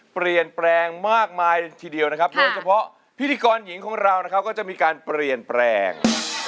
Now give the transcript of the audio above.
เปลี่ยนแปลงมากมายทีเดียวนะครับโดยเฉพาะพิธีกรหญิงของเรานะครับก็จะมีการเปลี่ยนแปลง